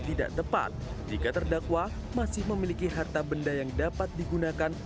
tidak tepat jika terdakwa masih memiliki harta benda yang dapat digunakan